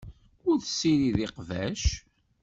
Ur tessirid iqbac.